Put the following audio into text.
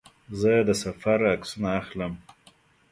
زه د سفر عکسونه اخلم.